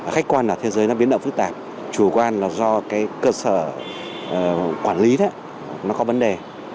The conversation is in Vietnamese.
khách quan là thế giới nó biến động phức tạp chủ quan là do cái cơ sở quản lý nó có vấn đề